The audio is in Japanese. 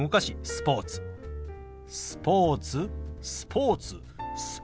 「スポーツ」「スポーツ」「スポーツ」。